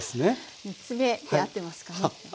３つ目で合ってますかね？